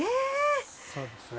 そうですね。